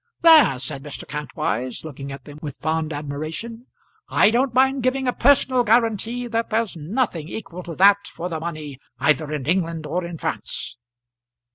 "There," said Mr. Kantwise, looking at them with fond admiration, "I don't mind giving a personal guarantee that there's nothing equal to that for the money either in England or in France."